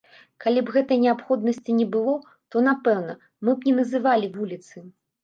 Калі б гэтай неабходнасці не было, то, напэўна, мы б не называлі вуліцы.